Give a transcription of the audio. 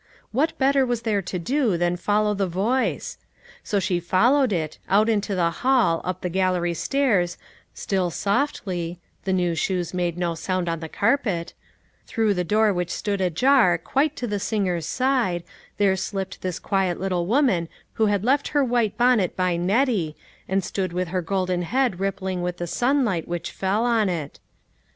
What better was there to do than follow the voice ? So she followed it, out into the hall, up the gallery stairs, still softly the new shoes made no sound on the carpet through the door which stood ajar, quite to the singer's side, there slipped this quiet little woman who had left her white bonnet by Nettie, and stood with her golden head rippling with the sunlight which fell upon it.